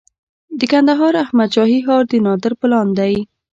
د کندهار احمد شاهي ښار د نادر پلان دی